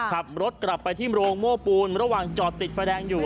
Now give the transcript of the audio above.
ขับรถกลับไปที่โรงโม่ปูนระหว่างจอดติดไฟแดงอยู่